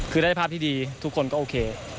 คือได้ภาพที่ดีทุกคนก็โอเค